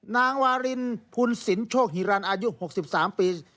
นางวารินพุนศิลป์โชคหิรันต์อายุ๖๓ปี